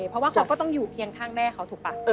เพราะว่าเขาก็ต้องอยู่เคียงข้างแม่เขาถูกป่ะ